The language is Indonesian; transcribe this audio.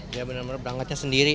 dia bener bener berangkatnya sendiri